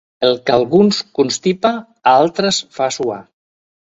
El que a alguns constipa, a altres fa suar.